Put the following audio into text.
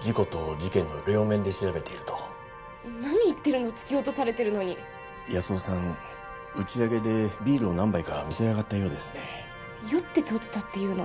事故と事件の両面で調べていると何言ってるの突き落とされてるのに康生さん打ち上げでビールを何杯か召し上がったようですね・酔ってて落ちたっていうの？